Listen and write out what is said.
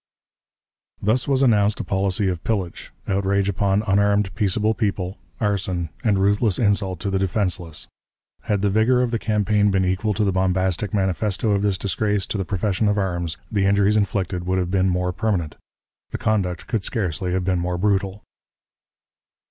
_" Thus was announced a policy of pillage, outrage upon unarmed, peaceable people, arson, and ruthless insult to the defenseless. Had the vigor of the campaign been equal to the bombastic manifesto of this disgrace to the profession of arms, the injuries inflicted would have been more permanent; the conduct could scarcely have been more brutal.